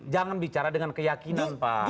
jangan bicara dengan keyakinan pak